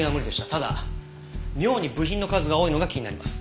ただ妙に部品の数が多いのが気になります。